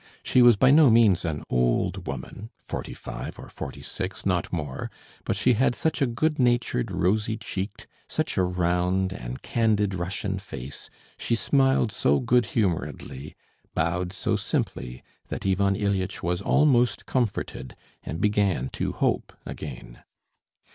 She was by no means an old woman forty five or forty six, not more; but she had such a good natured, rosy cheeked, such a round and candid Russian face, she smiled so good humouredly, bowed so simply, that Ivan Ilyitch was almost comforted and began to hope again.